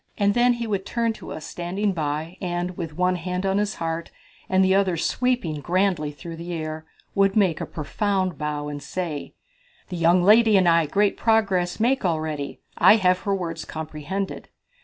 And then he would turn to us standing by, and with one hand on his heart, and the other sweeping grandly through the air, would make a profound bow and say: "The young lady and I great progress make already. I have her words comprehended.